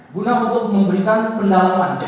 guna untuk memberikan pendalaman